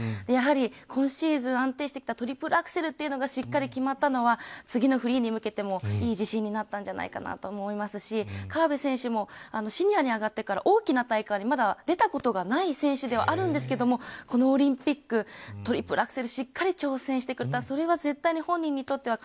やはり、今シーズン安定したトリプルアクセルがしっかり決まったのが次のフリーに向けてもいい自信になったのでないかと思いますし河辺選手もシニアに上がってから大きな大会にまだ出たことがない選手ではあるんですがこのオリンピックでトリプルアクセルしっかりと挑戦してくれた。